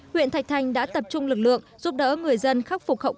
huyện thạch thành đã tập trung lực lượng giúp đỡ người dân khắc phục khẩu quả